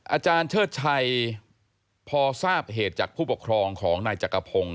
อาจารย์เชิดชัยพอทราบเหตุจากผู้ปกครองของนายจักรพงศ์